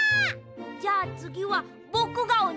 じゃあつぎはぼくがおにだね。